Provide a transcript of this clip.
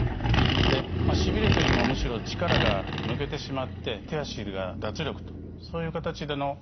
でしびれというよりもむしろ力が抜けてしまって手足が脱力とそういう形での症状も出ます。